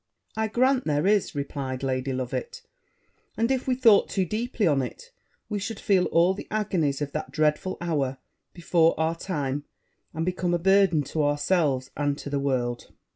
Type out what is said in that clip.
'I grant there is,' replied Lady Loveit; 'and if we thought too deeply on it, we should feel all the agonies of that dreadful hour before our time, and become a burden to ourselves and to the world.'